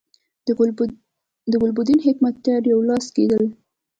د ګلبدین حکمتیار یو لاس کېدل.